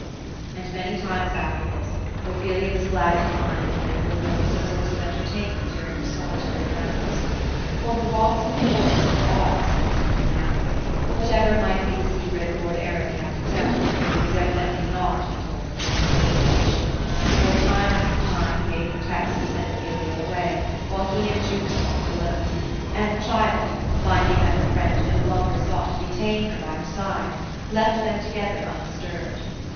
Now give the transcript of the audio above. And many times after this, Ophelia was glad to find in the noble horse a source of entertainment during her solitary rambles. For her walks in the forest were all solitary now. Whatever might be the secret lord Eric bad to tell, it was evidently not to be told in one conversation ; for, time after time, he made pretexts to send Ophelia away, while he and Jutha talked alone ; and the child, finding that her friend no longer sought to detain her by her side, left them together undisturbed.